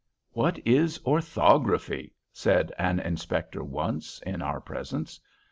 "What is orthography?" said an inspector once, in our presence.